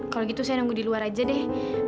kalau gitu saya nunggu di luar aja deh